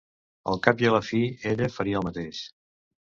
Al cap i a la fi, ella faria el mateix.